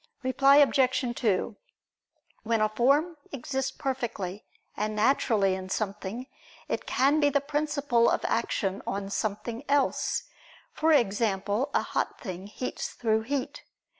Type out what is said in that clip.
Reply Obj. 2: When a form exists perfectly and naturally in something, it can be the principle of action on something else: for instance a hot thing heats through heat.